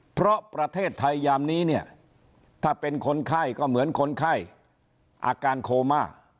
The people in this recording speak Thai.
เพราะประเทศไทยยามนี้เนี่ยถ้าเป็นคนไข้ก็เหมือนคนไข้อาการโคม่า